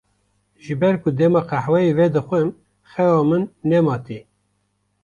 Ji ber ku dema qehweyê vedixwim xewa min nema tê.